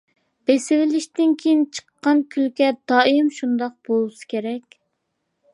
بېسىۋېلىشتىن كېيىن چىققان كۈلكە دائىم شۇنداق بولسا كېرەك.